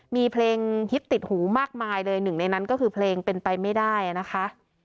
มีเพลงฮิตติดหูมากมายเลยหนึ่งในนั้นก็คือเพลงเป็นไปไม่ได้นะคะ